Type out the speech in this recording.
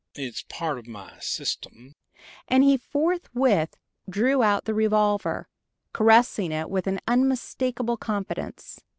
"It's part of my system." And he forthwith drew out the revolver, caressing it with an unmistakable confidence.